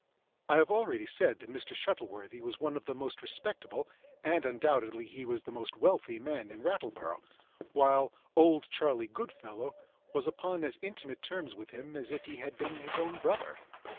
I have already said that Mr. Shuttleworthy was one of the most respectable and, undoubtedly, he was the most wealthy man in Rattleborough, while "Old Charley Goodfellow" was upon as intimate terms with him as if he had been his own brother.